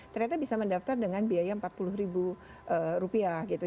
ternyata bisa mendaftar dengan biaya empat puluh ribu rupiah gitu